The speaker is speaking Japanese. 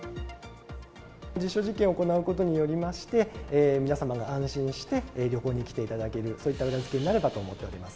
実証実験を行うことによりまして、皆様が安心して旅行に来ていただける、そういった裏付けになればと思っております。